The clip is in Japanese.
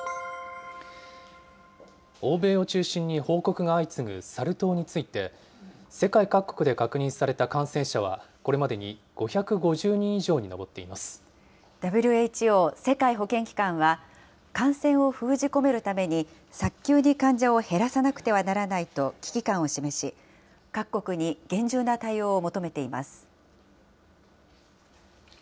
欧米を中心に報告が相次ぐサル痘について、世界各国で確認された感染者は、これまでに５５０人以上に上ってＷＨＯ・世界保健機関は、感染を封じ込めるために、早急に患者を減らさなくてはならないと危機感を示し、各国に厳重な対応を求めています。